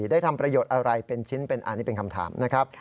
ได้ทำประโยชน์อะไรเป็นชิ้นเป็นอันนี้เป็นคำถามนะครับ